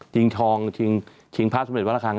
ยิงทองยิงภาพสำเร็จวันละครั้ง